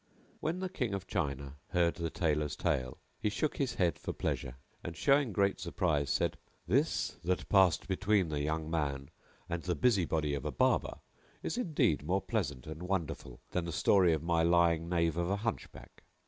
When the King of China heard the Tailor's tale he shook his head for pleasure; and, showing great surprise, said, "This that passed between the young man and the busy body of a Barber is indeed more pleasant and wonderful than the story of my lying knave of a Hunchback."